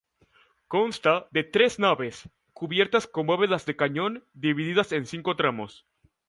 Consta de tres naves, cubiertas con bóvedas de cañón, divididas en cinco tramos.